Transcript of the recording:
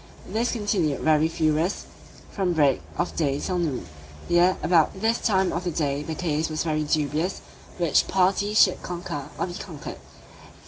This continued very furious from break of day till noon; yea, about this time of the day the case was very dubious which party should conquer, or be conquered.